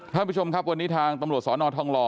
ท่านผู้ชมครับวันนี้ทางตำรวจสอนอทองหล่อ